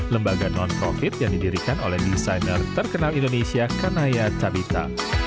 lembaga non profit yang didirikan oleh desainer terkenal indonesia kanaya carita